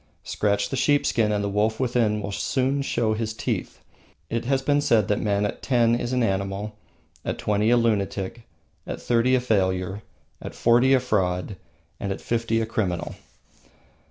Scratch the sheepskin and the wolf within us will soon show his teeth. It has been said that a man at ten is an animal, at twenty a lunatic, at thirty a failure, at forty a fraud, and at fifty a criminal.